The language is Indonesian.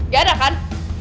gak ada kan